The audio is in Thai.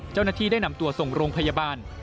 เจ้าหน้าที่ได้นำตัวส่งโรงพยาบาล